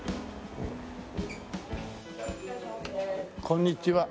こんにちは。